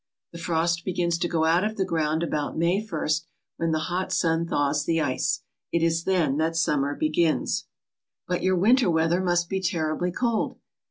The frost begins to go out of the ground about May ist when the hot sun thaws the ice. It is then that summer begins." " But your winter weather must be terribly cold.